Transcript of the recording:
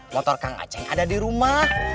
motor kang aceh ada di rumah